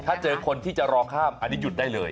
ถ้าเจอคนที่จะรอข้ามอันนี้หยุดได้เลย